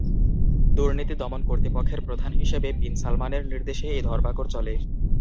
দুর্নীতি দমন কর্তৃপক্ষের প্রধান হিসেবে বিন সালমানের নির্দেশে এই ধরপাকড় চলে।